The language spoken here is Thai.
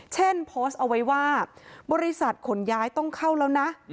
เช่นโพสต์เอาไว้ว่าบริษัทขนย้ายต้องเข้าแล้วนะ